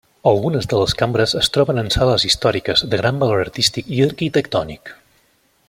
Algunes de les cambres es troben en sales històriques de gran valor artístic i arquitectònic.